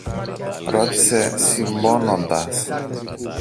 ρώτησε σιμώνοντας.